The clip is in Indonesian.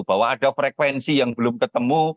bahwa ada frekuensi yang belum ketemu